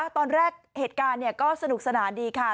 ตอนแรกเหตุการณ์ก็สนุกสนานดีค่ะ